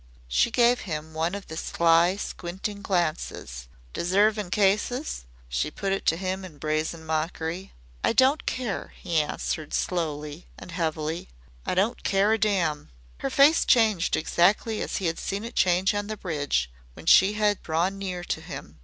She gave him one of the sly, squinting glances. "Deservin' cases?" She put it to him in brazen mockery. "I don't care," he answered slowly and heavily. "I don't care a damn." Her face changed exactly as he had seen it change on the bridge when she had drawn nearer to him.